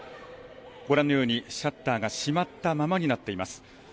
ご覧のように、シャッターが閉まったままになっています。